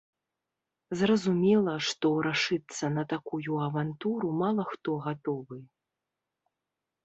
Зразумела, што рашыцца на такую авантуру мала хто гатовы.